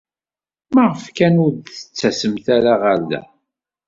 Maɣef kan ur d-tettasemt ara ɣer da?